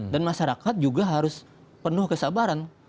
dan masyarakat juga harus penuh kesabaran